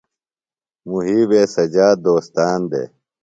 محیبے سجاد دوستان دےۡ۔